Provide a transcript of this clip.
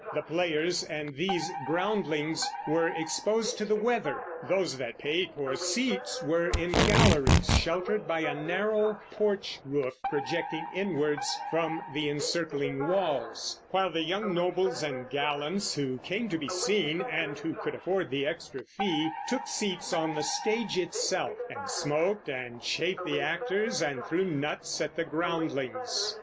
The players and these groundlings were exposed to the weather; those that paid for seats were in galleries sheltered by a narrow porch roof projecting inwards from the encircling walls; while the young nobles and gallants, who came to be seen and who could afford the extra fee, took seats on the stage itself, and smoked and chaffed the actors and threw nuts at the groundlings.